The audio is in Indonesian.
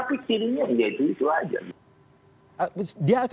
tetapi kirinya jadi itu aja